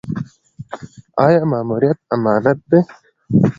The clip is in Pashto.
آیا ماموریت امانت دی؟